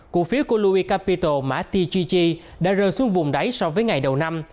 cổ phiếu của louis capito mã tgg đã rơi xuống vùng đáy so với ngày đầu năm